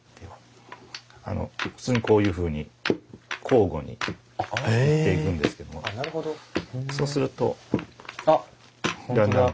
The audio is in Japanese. あの普通にこういうふうに交互によっていくんですけどもそうするとだんだんと。